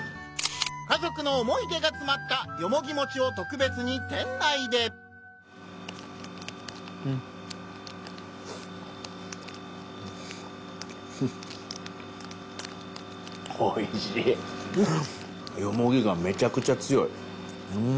家族の思い出が詰まった「よもぎもち」を特別に店内でよもぎがメチャクチャ強いうん。